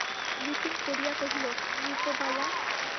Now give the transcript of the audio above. বিপিন পড়িয়া কহিল, নৃপবালা!